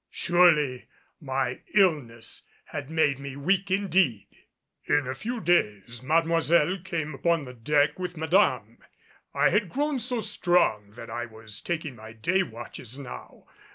Surely, my illness had made me weak indeed. In a few days Mademoiselle came upon the deck with Madame. I had grown so strong that I was taking my day watches now.